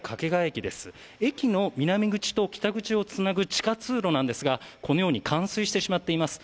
駅の南口と北口をつなぐ地下通路なんですがこのように冠水してしまっています